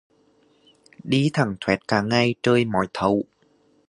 Đi thẳng thoét cả ngày trời mói thấu